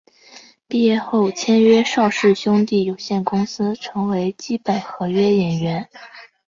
毕业后签约邵氏兄弟有限公司成为基本合约演员。